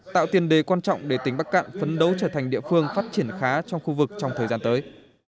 tạo tiền đề quan trọng để tỉnh bắc cạn phấn đấu trở thành địa phương phát triển khá trong khu vực trong thời gian tới